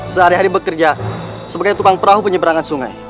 sehari hari bekerja sebagai tukang perahu penyeberangan sungai